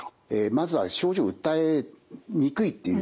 まずは症状を訴えにくいっていうんですかね。